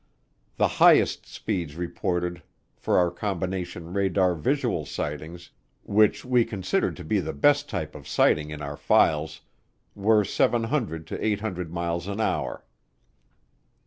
The highest speeds reported for our combination radar visual sightings, which we considered to be the best type of sighting in our files, were 700 to 800 miles an hour.